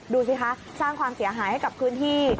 ดูสิคะสร้างความเสียหายให้กับพื้นที่